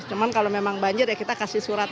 cuma kalau memang banjir ya kita kasih surat